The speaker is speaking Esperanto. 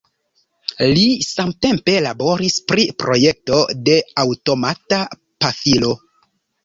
Li samtempe laboris pri projekto de aŭtomata pafilo.